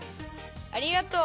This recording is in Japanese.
ありがとう。